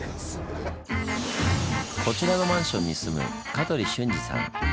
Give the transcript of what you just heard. こちらのマンションに住む鹿取俊二さん。